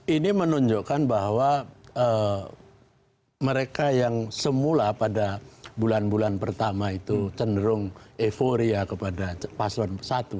ini menunjukkan bahwa mereka yang semula pada bulan bulan pertama itu cenderung euforia kepada paslon satu